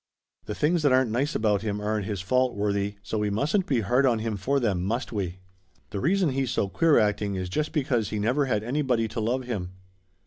The things that aren't nice about him aren't his fault, Worthie, so we mustn't be hard on him for them, must we? The reason he's so queer acting is just because he never had anybody to love him."